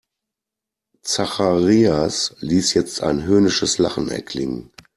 Zacharias ließ jetzt ein höhnisches Lachen erklingen.